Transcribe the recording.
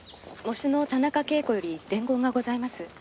喪主の田中啓子より伝言がございます。